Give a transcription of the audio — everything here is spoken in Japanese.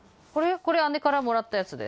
これ姉からもらったやつです。